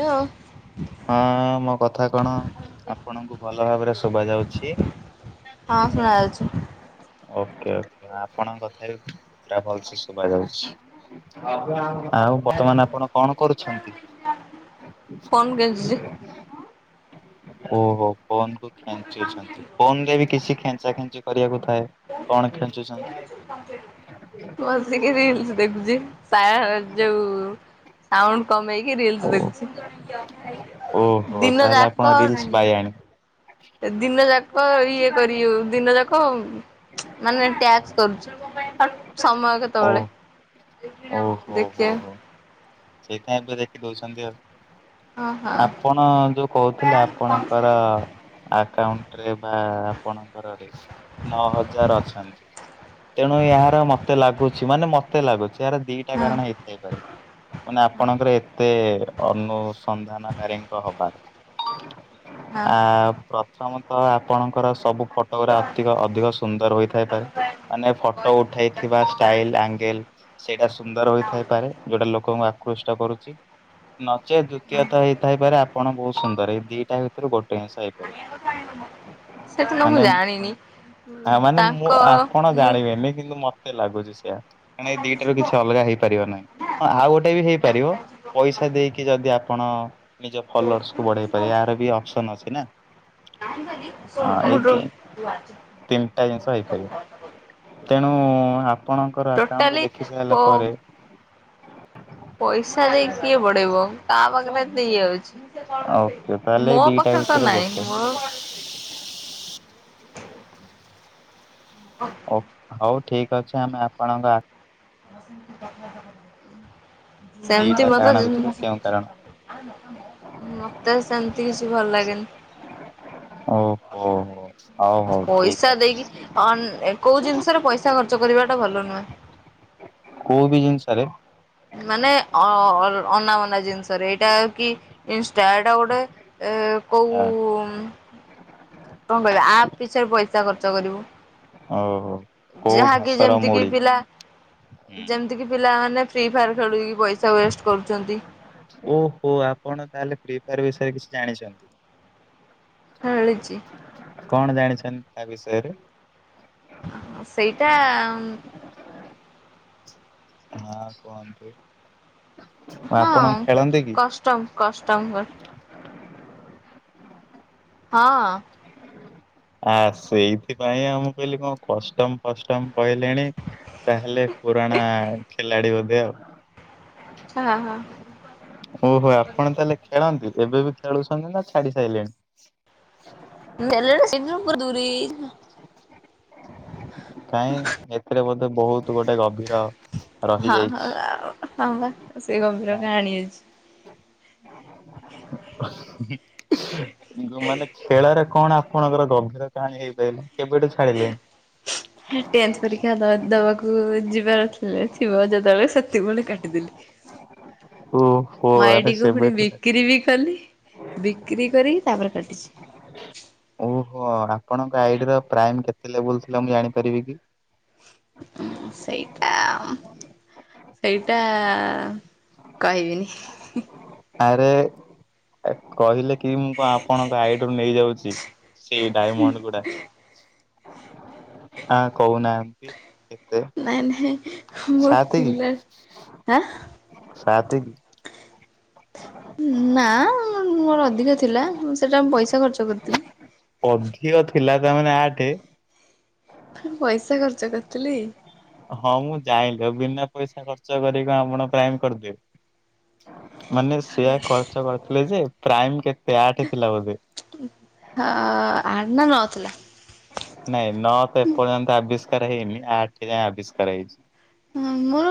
ଲୋ ହଁ, ମୋ କଥା କଣ ଆପଣଙ୍କୁ ଭଲ ଭାବେରେ ଶୁବା ଯାଉଛି। ହଁ, ଶୁଣା ଯାଉଛି। ଓକେ ଆପଣଙ୍କ କଥା ବି ପୁରା ଭଲସେ ଶୁବା ଯାଉଚି। ଆଉ ବର୍ତ୍ତମାନେ ଆପଣ କଣ କରୁଛନ୍ତି? ଫୋନ କେଞ୍ଚୁଛି ଓହୋ ଫୋନ୍ କ ଖେଞ୍ଚୁଅଛନ୍ତି, ଫୋନ୍ ରେ ବି କିଛି ଖେଞ୍ଚା, ଖେଞ୍ଚି କରିବାକୁ ଥାଏ।। କଣ ଖେଞ୍ଚୁଛନ୍ତି? ବସିକି ରିଲସିଦେଖୁଚି। ପାରାହର୍ ଯୋଉ ସାଉଣ୍ଡ୍ କମେଇକି ରିଲସିଦେଖୁଚି, ଓହୋ ଦିନ ତାହେଲେ ଆପଣ ଯାକ ରିଲସ ବାୟାଣୀ ଦିନ ଯାକ ଇଏ କରିଉ, ଦିନ ଯାକ ମାନେ ଟ୍ୟାକ୍ସ୍ କରୁଚି, ସମୟ ଓ କେତେବେଳେ। ଦେଖିଆ। ସେଇଥିପାଇଁଏବେଦେଖି ଦେଉଚନ୍ତି ଆଉ। ହଁ ହଁ ଆପଣ ଯୋଉ କହୁଥିଲେଆପଣଙ୍କର ଆକାଉଣ୍ଟ୍ରେ ବା ଆପଣଙ୍କର ରେ। ନଅ ହଜାର ଅଛନ୍ତି ତେଣୁ, ଏହାର ମତେ ଲାଗୁଚି ମାନେ ମତ୍ ଏତେ ଲାଗୁଚି, ଏହାର ଦିଟା ହଁ କାରଣ ହେଇଥାଇପାରେ ମାନେ ହଁ ଆପଣଙ୍କର ଏତେ ଅନୁସନ୍ଧାନକାରୀଙ୍କ ହବାର, ହଁ ଆ ପ୍ର ସମସ୍ତ ଆପଣଙ୍କର ସବୁ ଫଟ୍ ଫଟଗୁରା ଅଧିକ, ଅଧିକ ସୁନ୍ଦର ହୋଇଥାଇପାରେ, ମାନେ ଫଟୋ ଉଠେଇଥିବା ଷ୍ଟାଇଲ୍, ଆଙ୍ଗେଲ୍ ସେଇଟା ସୁନ୍ଦର ହୋଇଥାଇପାରେ, ଯୋଉଟା ଲୋକଙ୍କୁ ଆକୃଷ୍ଟ କରୁଚି। ନଚେତ୍ ଦୁତୀୟ ତ ହେଇଥାଇପାରେ ଆପଣ ବୋହୁତ ସୁନ୍ଦର୍ ଏଇ ଦିଟା ଭିତୁରୁ ଗୋଟେ [unintelligible] ହେଇପା ସେଠିନ ମୁଁ ମାନେ ଜାଣିନି। ଆ ମାନେ ତାଙ୍କ ମୁଁ, ଆପଣ ମୁଁ ଜାଣିବେନି କିନ୍ତୁ ମତ୍ ଏତେ ଲାଗୁଛି ସେଇା କାରଣ ଏଇ ଦିଟାରୁ କିଛି ଅଲଗା ହେଇପାରିବ ନାହିଁ। ହଁ, ଆଉ ଗୋଟେ ବି ହେଇପାରିବ ପଇସା ଦେଇକି ଯଦି ଆପଣ ନିଜ ଫଲୋର୍ସକୁ ବଢେଇ ପାରିବା ଏହାର ବି ଅପସନ୍ ଅଛି ନା। ହଁ ଏଇ ତି ତିନିଟା ଜିନିଷ ହେଇପାରିବ ତେଣୁ ଆପଣଙ୍କର [unintelligible] ଆକାଉଣ୍ଟ କୁ ଟୋଟାଲି ଦେଖି ସାରିଲା ପୋ ପରେ ପଇସା ଦେଇକ୍ କିଏ ବଡେଇବ [unintelligible] ଦେଇ ଯାଉଚି, ଓକେ ତାହେଲେ ମୋ ଦିଟା ପାଖରେ ତ ଭିତରୁ ନାଇଁ ଗୋଟେ ମୋ ଓ ହୋଉ ଠିକ ଅଛି, ଆମେ ଆପଣଙ୍କ ଆ ସେମ୍ତି ଦିଟା ମତେ କାରଣ ଭିତରୁ କେଉଁ କାରଣ [unintelligible] ମତେ ସେମ୍ତି କିଛି ଭଲ୍ ଓହୋ ହଉ ଲାଗେନି। ହଉ ଠିକ ପଇସା ଅଛି ଦେଇକି ଏକୋଇସି [unintelligible] ପଇସା ତା ଖର୍ଚ୍ଚ କରିବା ଟା ଭଲ ନୁହେଁ। କୋଉ ବି ଜିନିଷ୍ ରେ? ମାନେ ଅ, ଅ, ଅଲ୍, ଅନାବନା ଜିନିଷ୍ ରେ ଏଇଟାଉ [unintelligible] ଏଟାଗୋଟେ କୋଉମ୍ କଁ, କହିବା ଆପ୍ ପିଛାରେ ପଇସା ଖର୍ଚ୍ଚ କରିବୁ। ଓହୋ କୋଉ ଯାହାକି ଘାସର ଯେମିତି କି ମୂଳି। ପିଲା ଯେମତି କିି ପିଲାମାନେ ଫ୍ରି ଫାୟାର ଖେଳି ପଇସା ୱେଷ୍ଟ କରୁଛନ୍ତି। ଓହୋ, ଆପଣ ତାହେଲେ ଫ୍ରି ଫାୟାର୍ ବିଷୟରେ କିଛି ଜାଣିଚନ୍ତି। ହୁଁ [unintelligible] କଣ ଜାଣିଛନ୍ତ୍ ତା ବିଷୟରେ? ସେଇଟା ଅଂମ୍ [inaudible] ହାଁ, କୁହନ୍ତୁ। ହଁ, ଆପଣ ଖେଳନ୍ତି କି? କଷ୍ଟମ୍, କଷ୍ଟମ୍ କର୍। ହଁ ହଁ। ଆ ସେଇଥିପାଇଁ ଆମ କହିଲି କଣ କଷ୍ଟମ ଫଷ୍ଟମ କହିଲେଣି ତାହେଲେ ପୁରଣା ଖେଳାଡି ବୋଧେ ଆଉ। ହଁ ହଁ। ଓହୋ ଆପଣ ତାହେଲେ ଖେଳନ୍ତି ଏବେ ବି ଖେଳୁଛନ୍ତି ନା ଛାଡି ସାରିଲେଣି? [unintelligible] ଦୁରି କାଇଁ ଏଥିରେ ବୋଧେ ବହୁତ ଗୋଟେ ଗଭୀର ହଁ ରହିଯାଇଛି। ହ ହ ସେ ଗଭୀର କାହାଣୀ ଅଛି। ମାନେ ଖେଳରେ କଣ ଆପଣଙ୍କର ଗଭୀର କାହାଣୀ ହେଇପାରିଲ କେବେଠୁ ଛାଡିଲେଣି? ଟେନ୍ଥ ପରୀକ୍ଷା ଦବାକୁ ଯିବାରଥିଲେ ଥିବ ଯେତେବେଳେ ସେତିକିବେଳେ କାଟିଦେଥିଲି। ବ [inaudible] ହୁଁ। ମ ଆଇଡ଼ିକୁୁ ପୁଣି ବିକ୍ରି ବି କଲି ବିକ୍ରି କରିକି ତାପରେ କାଟିଛି। ଓହୋ ଆପଣଙ୍କ ଆଇଡି ର ପ୍ରାଇମ କେତେ ଲ ବୁଲଥିଲା ମୁଁ ଜାଣିପାରିବି କି। ହଁ ସେଇଟା ସେଇଟା କହିବିନି। ଆରେ କହିଲେ କି ମୁଁ କଣ ଆପଣଙ୍କ ଆଇଡୁ ନେଇଯାଉଛି ସେଇ ଡାଇମଣ୍ଡ ଗୁଡା। ଆ କହୁନାନ୍ତି। କେତେ ନାଇଁ ନାଇଁ ମୁଁ ସାତେ କି ଖିଲା ଆଁ ସାତେ କି। ନା ମୋର ଅଧିକ ଥିଲା ମୁଁ ସେଟା ମୁ ପଇସା ଖର୍ଚ୍ଚ କରିଥିଲି। ଅଧିକ ଥିଲା ତାମାନୋନେ ଆଠେ। ପଇସା ଖର୍ଚ୍ଚ କରିଥିଲି। ହଁ ମୁଁ ଜାଇଲିି ଆଉ ବିନା ପଇସା ଖର୍ଚ୍ଚ କରିକି ଆପଣ ପ୍ରାଇମ କରିଦେବେ। ମାନେ ସେଆ ଖର୍ଚ୍ଚ କରିଥିଲେ ଯେ ପ୍ରାଇମ କେତେ ଆଠ ଥିଲା ବୋଧେ। ହ ଆଠେ ନା ନ ଥିଲା। ନାଇଁ ନ ତ ଏପର୍ଯ୍ୟନ୍ତ ଆବିଷ୍କାର ହେଇନି ଆଠ ଯାଏଁ ଆବିଷ୍କାର ହେଇଛି। ହଁ ମୋର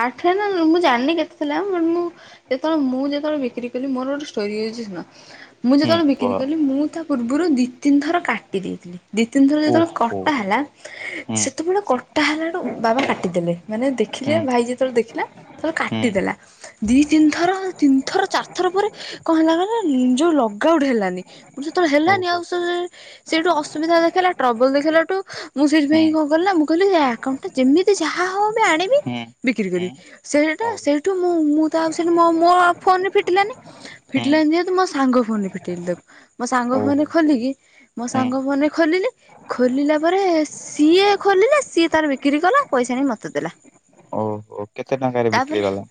ଆଠ ନା ମୁଁ ଜାଣିନି କେ ଥିଲା ମୁଁ ଏତେବେଳେ ମୁଁ ଯେତେବେଳେ ବିକ୍ରି କଲି ମୋର ଗୋଟେ ଷ୍ଟୋରିଉଛି ଶୁଣ। ମୁଁ ହୁଁ ଯେତେବେଳେ ବିକ୍ରି କୁହ। କଲି ମୁଁ ତା ପୂର୍ବରୁ ଦି ତିନି ଥର କାଟି ଦେଇଥିଲି। ଦି ତିନିଥର ଯେତେବେଳେ ଓହୋ କଟା ହେଲା ହୁଁ ସେତେବେଳେ କଟା ହେଲାଡୁ ବାବା କାଟିଦେଲେ ମାନେ ହୁଁ ଦେଖିଲେ ଭାଇ ଯେତେବେଳେ ଦେଖିଲା ସେତେବେଳେ ହୁଁ କାଟିଦେଲା ଦି ତିନି ଥର ତିନି ଥର ଚାରିଥର ପରେ କଣ ହେଲା କ ଯୋଉ ଲଗାଉଡ଼ ହେଲାନି ଯେତେବେଳେ ହେଲାନି ଓହୋ ଆଉ ସେ ସେଇଠୁ ଅସୁବିଧା ଦେଖେଇଲା ଟ୍ରବଲ ଦେଖେଇାଠୁ ମୁଁ ସେଥିଇଁ ହୁଁ କଣ କିଲି ନା ମୁ କଲି ଏ ଆକାଉଣ୍ଟା ଯେମିତି ଯାହା ହଉ ବି ଆଣିବି ହୁଁ ବିକ୍ରି ହୁଁ କରିବି ସେଇଟା ଓ ସେଇଠୁ ମୁ ମୁଁ ତା ସେ ମୋ ଫୋନରେ ଫିଟିଲାନି ହୁଁ ଫିଟିଲାନି ଯେହେତୁ ମୋ ସାଙ୍ଗ ଫୋନ ରେ ଫିଟେଇଲ ତାକୁ ମୋ ସାଙ୍ଗ ଫୋନ ରେ ଓହୋ ଖୋଲିକି ମୋ ହୁଁ ସାଙ୍ଗ ଫୋନରେ ଖୋଲିଲି ଖୋଲିଲା ପରେ ସିଏ ଖୋଲିଲା ସିଏ ତାର ବିକ୍ରି କଲା ପଇସା ଆଣିକି ମତେ ଦେଲା। ଓହୋ କେତେ ଟଙ୍କାରେ ବିକ୍ରି ତାପରେ କଲ।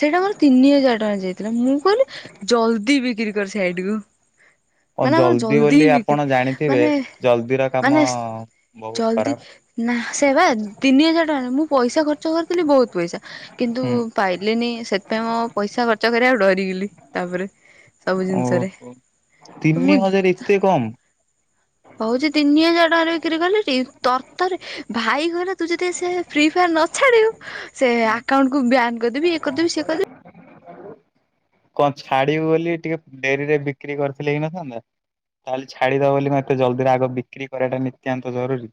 ସେଇଟା ମୋର ତିନି ହଜାର ଟଙ୍କା ଯାଇଥିଲା ମୁଁ କହିଲି ଜଲଦି ବିକ୍ରି କର ସେ ଆଇଡକୁୁ। କଣ ମାନେ ଆମର ଜଲ୍ଦି ଜଲଦି ବୋଲି ହି ବିକ୍ରି ଆପଣ ଜାଣିଥିବେ ମାନେ ଜଲ୍ଦିର କାମ ମାନେ ବହୁତ ଜଲଦି ଖରାପ ନା ସେ ତିନି ହଜାର ଟଙ୍କା ନାଁ ମୁଁ ପଇସା ଖର୍ଚ୍ଚ କରିଥିଲି ବହୁତ ପଇସା କିନ୍ତୁ ହୁଁ ପାଇଲିନି ସେଥିପାଇଁ ମୁଁ ପଇସା ଖର୍ଚ୍ଚ କରି ଆକୁ ଡରିଗଲି ତାପରେ। ସବୁ ଜିନିଷରେ ଓହୋ ତିନି ମୁ ହଜାର ଏତେ କମ ହଉଛି ତିନି ହଜାର ଟଙ୍କାରେ ବିକ୍ରି କଲି ତର ତରେ ଭାଇ କହିଲା ତୁ ଯଦି ସେ ଫ୍ରି ଫାୟାର ନ ଛାଡିବୁ ସେ ଆକାଉଣ୍ଟକୁୁ ବାନ କରିଦେବି। କଦ ବି ସେ କଦ କଣ ଛାଡିବୁ ବୋଲି ଟିକେ ଡେରି ରେ ବିକ୍ରି କରିଥିଲେ ହେଇ ନଥାନ୍ତା। ତାହେଲେ ଛାଡିଦବ ବୋଲି ମୁ ଏତେ ଜଲଦିରେ ଆଗ ବିକ୍ରି କରିବାଟା ନିତ୍ୟାନ୍ତ ଜରୁରୀ।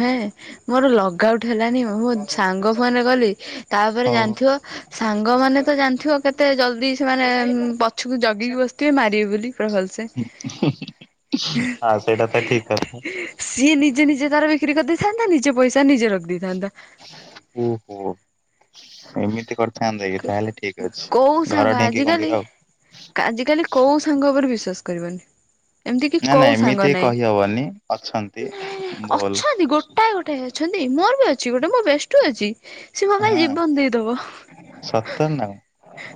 ହଁ ମୋର ଲଗ କଉଠି ହେଲାନି ମୁଁ ସାଙ୍ଗ ଫୋନରେ କଲି ତାପରେ ହଉ ଜାଣିଥିବ ସାଙ୍ଗ ମାନେ ତ ଜାଣିଥିବ କେତେ ଜଲ୍ଦି ସେ ମାନେ ପଛକୁ ଉଁ ଜଗିକି ବସିଥିବେ ମାରିବେ ବୋଲି ପୁରା ଭଲସେ। ହୁଁ ଆଁ ସେଇଟା ତ ଠିକ କଥା। ସିଏ ନିଜେ ନିଜେ ତାର ବିକ୍ରି କରିଦେଇଥାନ୍ତା ନିଜେ ପଇସା ନିଜେ ରଖିଦେଇଥାନ୍ତା। ଓହୋ ଏମିତି କର୍ ଥାଆନ୍ତା କି ତାହେଲେ ଠିକ ଅଛି ଘର ଢିଙ୍କି କୁମ୍ଭୀର ଆଉ। କା ଆଜି କାଲି କୋଉ ସାଙ୍ଗ ଉପରେ ବିଶ୍ଵାସ କରିବନି। ଏମିତି କି ନା ନା କୋଉ ସାଙ୍ଗ ଏମିତି ନାଇଁ କହିହବନି ଅଛନ୍ତି। ଭୁଲ ଅଛନ୍ତି ଗୋଟାଏ ଗୋ ଟାଏ ଅଛନ୍ତି ମୋର ବି ଅଛି ଗୋଟେ ମୋ ବେଷ୍ଟୁ ଅଛି ସି ମୋ ଭାଇ ହଁ ଜୀବନ ଦେଇଦବ। ସତରେ ନା କଣ?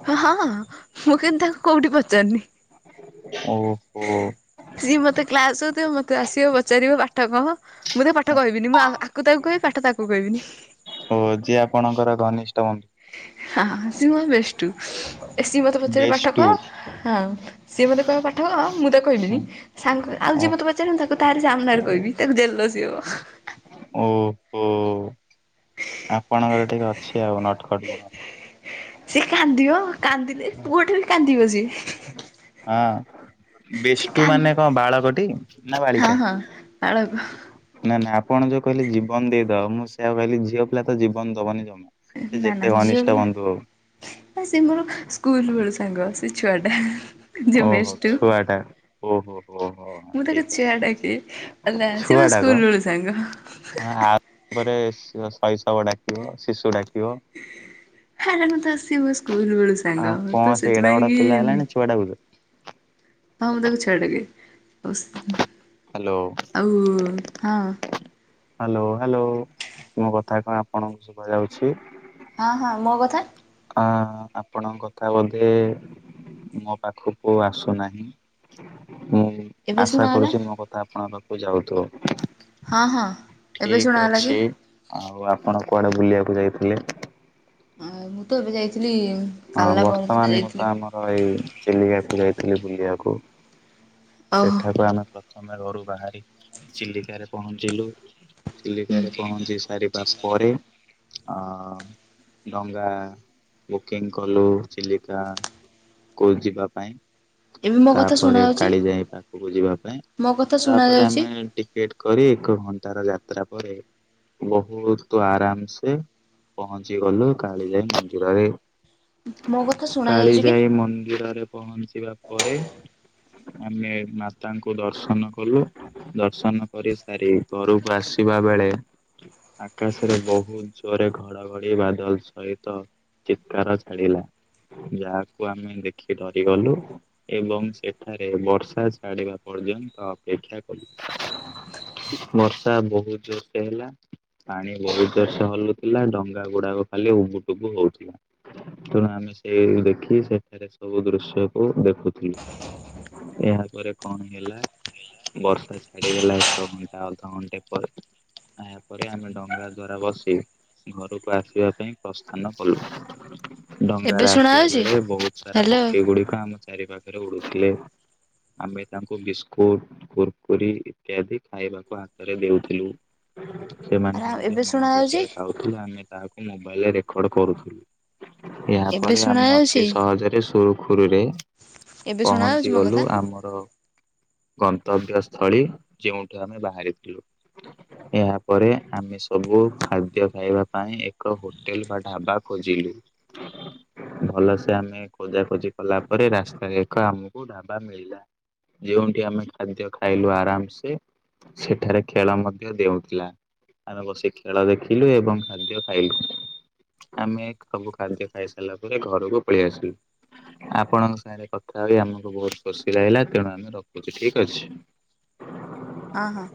ହ ହଁ ମୁଁ କିନ୍ତୁ ତାକୁ କୋଉଠି ପଚାରୁନି। ଓହୋ। ସିଏ ମତେ କ୍ଲାସ ହୋଉଥିବ ମତେ ଆସିବ ପଚାରିବ ପାଠ କହ। ମୁଁ ତାକୁ ପାଠ କହିବିନି ମୁଁ ଆ-ଆକୁ ତାକୁ କହିବି ପାଠ ତାକୁ କହିବିନି। ଓ ଯିଏ ଆପଣଙ୍କର ଘନିଷ୍ଠ ବନ୍ ହ ହ ହ ସିଏ ମୋ ବେଷ୍ଟୁ ଏ ସିଏ ମତେ ପଚାରିବ ପାଠ ବେଷ୍ଟୁ କହ ହଁ ସିଏ ମୋତେ କହିବ ପାଠ କହ ମୁଁ ତାକୁ ହୁଁ, କହିବିନି। ସାଙ୍ଗ ଆଉ ଓ ଯିଏ ମତେ ପଚାରିବନି ତାକୁ ତାରି ସାମ୍ନାରେ କହିବି ତାକୁ ଜେଲସି ହବ। ଓ। ଆପଣଙ୍କର ଟିକେ ଅଛି ଆଉ ନଟ ଖ ସିଏ କାନ୍ଦିବ କାନ୍ଦିଲେ ପୁଅଟେ ବି କାନ୍ଦିବ ସିଏ। ହଁ ସିଏ କା ବେଷ୍ଟୁ ମାନେ କଣ ବାଳକଟି? ନ ହଁ ବାଳିକା? ହଁ ବାଳକ ନା ନା ଆପଣ ଯୋଉ କହିଲେ ଜୀବନ ଦେଇଦବ ମୁଁ ସେଇଆ କହିଲି ଝିଅ ପିଲା ତ ଜୀବନ ଦବନି ଜମା। ସେ ଯେତେ ଘନିଷ୍ଟ ବନ୍ଧୁ ହୋଉ। ହ ହେ ସେ ମୋର ସ୍କୁଲ ବେଳୁ ସାଙ୍ଗ ସେ ଛୁଆ ଟା ଯୋଉ ଓହୋ ବେଷ୍ଟୁ। ଛୁଆଟା ଓହୋ ହୋ ହୋ ହୋ ମୁଁ ତାକୁ ଠିକ ଚିଆ ଡାକେ ହେଲା ଅଛି ସେ ଛୁଆ ମୋ ସ୍କୁଲ ଟାକ ବେଳୁ ସାଙ୍ଗ। ଆ ପରେ ଶ୍ ଶୈଶବ ଡାକିବ ଶିଶୁ ଡାକିବ। ଆରେ ମୁଁ ତ ଆସିବ ସ୍କୁଲ ବେଳୁ ସ୍ ଆଉ ସାଙ୍ଗ ହଁ କଣ ତ ସେ ଏଡା ବଡ ସେଥିପାଇଁ ପିଲା କି ହେଲାଣି ଛୁଆ ଡାକୁଚ ଆ ମୁଁ ତାକୁ ଛୁଆ ଡାକେ ଆଉ [unintelligible] ହାଲୋ। ଆଉ ହଁ। ହାଲୋ ହାଲୋ ମୋ କଥା କଣ ଆପଣଙ୍କୁ ଶୁଭା ଯାଉଛି? ହଁ ହଁ ମୋ କଥା? ହଁ ଆପଣଙ୍କ କଥା ବୋଧେ ମୋ ପାଖକୁ ଆସୁନାହିଁ। ମୁଁ ଏବେ ଆଶା ଶୁଣାଗଲା? କରୁଛି ମୋ କଥା ଆପଣଙ୍କ ପାଖକୁ ହଁ ହଁ ଯାଉଥିବ। ଏବେ ଠିକ ଶୁଣାଗଲା କି? ଅଛି ଆଉ ଆପଣ କୁଆଡ଼େ ବୁଲିବାକୁ ଯାଇଥିଲେ? ଆ ମୁଁ ତ ଏବେ ଯାଇଥିଲି। ହଁ କାଲି ନା ପହରଦିନ ବର୍ତ୍ତମାନ ମୁଁ ତ ଯାଇଥିଲି ଆମ ହ ଏଇ ଚିଲିକାକୁ ଯାଇଥିଲି ବୁଲିବାକୁ ଓହୋ ସେଠାକୁ ହୁଁ ଆମେ ପ୍ରଥମେ ଘରୁ ବାହାରି ଚିଲିକାରେ ପହଞ୍ଚିଲୁ। ଚିଲିକାରେ ପହଞ୍ଚି ସାରିବା ପରେ ଅଁ ଡଙ୍ଗା କିଂ କଲୁ ଚିଲିକା କୁ ଯିବା ପାଇଁ। ଏବେ ମୋ କଥା ଶୁଣା ତାପରେ ଯାଉଛି? କାଳି ଯାଇ ପାଖକୁ ଯିବା ପାଇଁ ମୋ କଥା ଶୁଣା ତାପରେ ଯାଉଛି ଆମେ ଟିକେଟ କରି ଏକ ଘଣ୍ଟାର ଯାତ୍ରା ପରେ। ବହୁତ ଆରାମ ସେ ପହଞ୍ଚି ଗଲୁ କାଳିଜାଇ ମନ୍ଦିରରେ। ମୋ କଥା ଶୁଣା ଯାଉଛି କି? କାଳିଯାଇ ମନ୍ଦିରରେ ପହଞ୍ଚିବା ପରେ ଆମେ ମାତାଙ୍କୁ ଦର୍ଶନ କଲୁ। ଦର୍ଶନ କରି ସାରି ଘରକୁ ଆସିବା ବେଳେ ଆକାଶରେ ବହୁତ ଜୋରେ ଘଡଘଡି ବାଦଲ ସହିତ ଚିତ୍କାର ଛାଡିଲା ଯାହାକୁ ଆମେ ଦେଖି ଡରିଗଲୁ। ଏବଂ ସେଠାରେ ବର୍ଷା ଛାଡ଼ିବା ପର୍ଯ୍ୟନ୍ତ ଅପେକ୍ଷା କଲୁ। ବର୍ଷା ବହୁତ ଜୋର ସେ ହେଲା। ପାଣି ବହୁତ ଜୋରସେ ହଲୁଥିଲା ଡଙ୍ଗା ଗୁଡାକ ଖାଲି ଉବୁଟୁବୁ ହଉଥିଲା। ତେଣୁ ଆମେ ସେଇ ଦେଖି ସେଠାରେ ସବୁ ଦୃଶ୍ୟକୁ ଦେଖୁଥିଲୁ। ଏହାପରେ କଣ ହେଲା ବର୍ଷା ଛାଡିଗଲା ଏକ ଘଣ୍ଟା ଅଧଘଣ୍ଟେ ପରେ। ଏହାପରେ ଆମେ ଡଙ୍ଗା ଦ୍ଵାରା ବସି ଘରକୁ ଆସିବା ପାଇଁ ପ୍ରସ୍ଥାନ କଲୁ। ଏବେ ଡଙ୍ଗାରେ ଶୁଣା ଆସିବା ଯାଉଛି? ବେଳେ ବହୁତ ସାରା ହ୍ୟାଲୋ ପକ୍ଷୀ ଗୁଡିକ ଆମ ଚାରି ପାାଖରେ ଉଡୁଥିଲେ। ଆମେ ତାଙ୍କୁ ବିସ୍କୁଟ କୁରକୁରି ଇତ୍ୟାଦି ଖାଇବାକୁ ହାତରେ ଦେଉଥିଲୁ। ସେମାନେ ଆରେ ମଧ୍ୟ ଏବେ ମନ ଶୁଣା ଯାଉଛି ଖୁସିରେ ଖାଉଥିଲେ ଆମେ ତାହାକୁ ମୋବାଇଲରେ ରେକର୍ଡ କରୁଥିଲୁ। ଏବେ ଏହାପରେ ଶୁଣା ଆମେ ଅତି ଯାଉଛି? ସହଜରେ ସୁରୁଖୁରୁରେ ଏବେ ଶୁଣା ଯାଉଛି ପହଞ୍ଚି ମୋ ଗଲୁ କଥା? ଆମର ଗନ୍ତବ୍ୟସ୍ଥଳୀ ଯେଉଠୁ ଆମେ ବାହାରିଥିଲୁ। ହଁ [unintelligible] ଏହା ପରେ ଆମେ ସବୁ ଖାଦ୍ୟ ଖାଇବା ପାଇଁ ଏକ ହୋଟେଲ ବା ଢାବା ଖୋଜିଲୁ। ହ [unintelligible] ଭଲସେ ଆମେ ଖୋଜାଖୋଜି କଲା ପରେ ରାସ୍ତାରେ ଏକ ଆମକୁ ଢବା ମିଳିଲା। ଯେଉଁଠି ଆମେ ଖାଦ୍ୟ ଖାଇଲୁ ଆରାମସେ। ସେଠାରେ ଖେଳ ମଧ୍ୟ ଦେଉଥିଲା। ଆମେ ବସି ଖେଳ ଦେଖିଲୁ ଏବଂ ଖାଦ୍ୟ ଖାଇଲୁ ଆମେ ସବୁ ଖାଦ୍ୟ ଖାଇ ସାରିଲା ପରେ ଘରକୁ ପଳେଇ ଆସିଲୁ। ଆପଣଙ୍କ ସାଙ୍ଗରେ କଥା ହେଇକି ଆମକୁ ବହୁତ ଖୁସି ଲାଗିଲା ତେଣୁ ଆମେ ରଖୁଛୁ ଠିକ ଅଛି। ହଁ ହଁ।